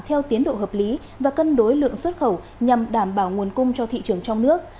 theo tiến độ hợp lý và cân đối lượng xuất khẩu nhằm đảm bảo nguồn cung cho thị trường trong nước